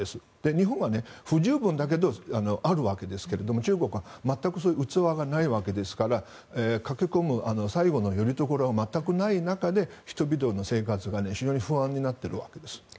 日本は不十分だけどあるわけですけど中国は全くそういう器がないわけですから駆け込む、最後のよりどころが全くない中で人々の生活が非常に不安になっているわけです。